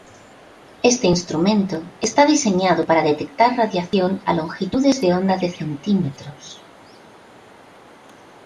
Este instrumento está diseñado para detectar radiación a longitudes de onda de centímetros.